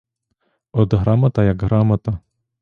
От грамота, як грамота.